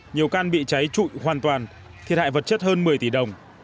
nhiều căn bị cháy trụi hoàn toàn thiệt hại vật chất hơn một mươi tỷ đồng